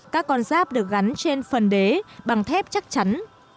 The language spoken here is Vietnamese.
các con giáp được gắn trên phần đế bằng thép chắc chắn